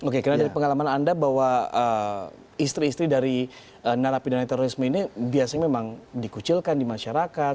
karena dari pengalaman anda bahwa istri istri dari narapidana terorisme ini biasanya memang dikucilkan di masyarakat